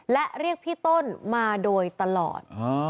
และเรียกพี่ต้นมาโดยตลอด